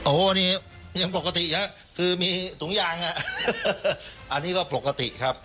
โอ้นี่ยังปกติฮะคือมีถุงยางอ่ะอันนี้ก็ปกติครับ